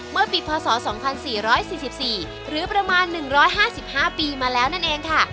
เมื่อปีพศ๒๔๔หรือประมาณ๑๕๕ปีมาแล้วนั่นเองค่ะ